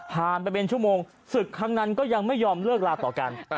ไปเป็นชั่วโมงศึกครั้งนั้นก็ยังไม่ยอมเลิกลาต่อกัน